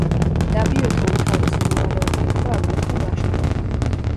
მდაბიოთა უმთავრესი მოვალეობა იყო აგრეთვე ლაშქრობა.